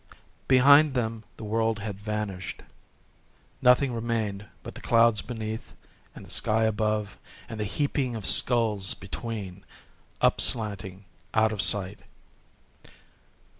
Behind them the world had vanished. Nothing remained but the clouds beneath, and the sky above, and the heaping of skulls between,—up slanting out of sight.